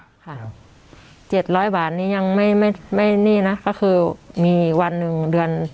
ค่ะเจ็ดร้อยบาทนี่ยังไม่ไม่ไม่นี่น่ะก็คือมีวันหนึ่งเดือน